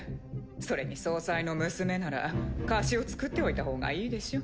それに総裁の娘なら貸しを作っておいた方がいいでしょ？